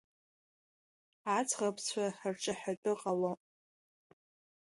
Аӡӷабцәа рҿаҳәатәы ҟалон.